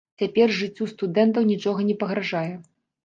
Цяпер жыццю студэнтаў нічога не пагражае.